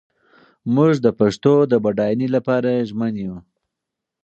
موږ د پښتو د بډاینې لپاره ژمن یو.